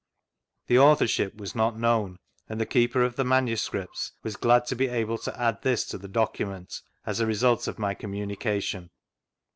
The authorship was not known, and the Keeper of the MSS. was glad to be able to add this to tbe document as the result <A my communication.